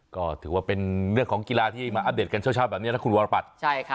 ก็ถือว่าเป็นเรื่องของกีฬาที่มาอัปเดตกันเช้าแบบนี้นะคุณวรปัตย์